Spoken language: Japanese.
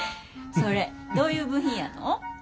それどういう部品やの？